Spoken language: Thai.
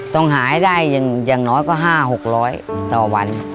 ต้องหาให้ได้อย่างน้อยก็๕๖๐๐ต่อวัน